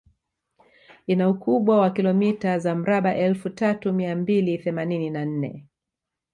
Ina ukubwa wa kilomita za mraba Elfu tatu mia mbili themanini na nne